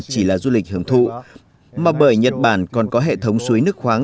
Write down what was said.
chỉ là du lịch hưởng thụ mà bởi nhật bản còn có hệ thống suối nước khoáng